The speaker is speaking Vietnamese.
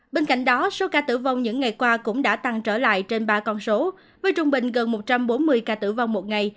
bên cạnh đó số ca tử vong những ngày qua cũng đã tăng trở lại trên ba con số với trung bình gần một trăm bốn mươi ca tử vong một ngày